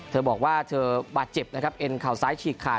เธอบอกว่าเธอบาดเจ็บนะครับเอ็นเข่าซ้ายฉีกขาด